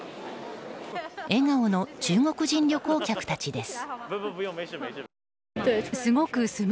笑顔の中国人旅行客たちです。